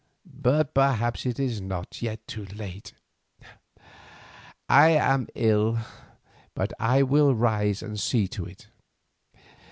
But perhaps it is not yet too late. I am ill, but I will rise and see to it.